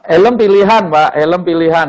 elem pilihan mbak elem pilihan